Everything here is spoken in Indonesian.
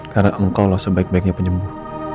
karena engkau lah sebaik baiknya penyembuh